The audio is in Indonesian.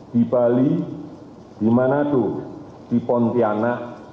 di bali di manado di pontianak